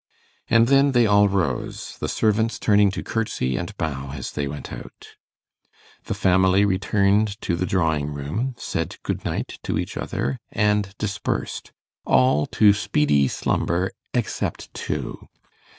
And then they all rose, the servants turning to curtsy and bow as they went out. The family returned to the drawing room, said good night to each other, and dispersed all to speedy slumber except two.